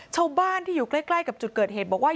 ชาวบ้านที่อยู่ใกล้กับจุดเกิดเหตุบอกว่า